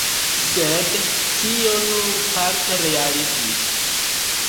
Sed tio nur parte realiĝis.